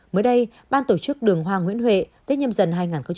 mới đây ban tổ chức đường hoàng nguyễn huệ tết nhâm dần hai nghìn một mươi hai